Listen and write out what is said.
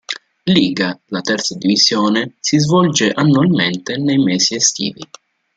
Liga, la terza divisione, si svolge annualmente nei mesi estivi.